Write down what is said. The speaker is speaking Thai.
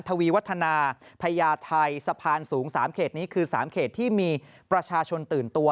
วีวัฒนาพญาไทยสะพานสูง๓เขตนี้คือ๓เขตที่มีประชาชนตื่นตัว